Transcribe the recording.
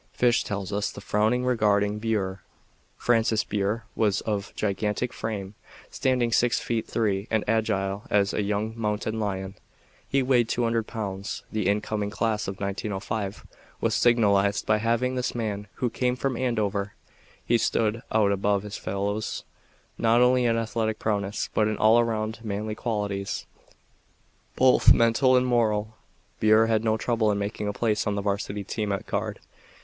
Fish tells us the following regarding Burr: "Francis Burr was of gigantic frame, standing six feet three and agile as a young mountain lion. He weighed 200 pounds. The incoming class of 1905 was signalized by having this man who came from Andover. He stood out above his fellows, not only in athletic prowess but in all around manly qualities, both mental and moral. Burr had no trouble in making a place on the Varsity team at Guard.